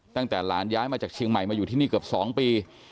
ตั้งแต่หลานย้ายมาจากเชียงใหม่มาอยู่ที่นี่เกือบ๒ปี